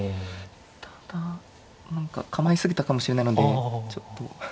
ただ何か構え過ぎたかもしれないのでちょっと。